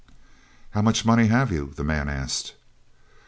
"How much money have you?" the man asked.